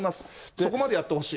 そこまでやってほしい。